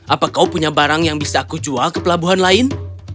apa kau punya barang yang bisa aku jual ke pelabuhan lain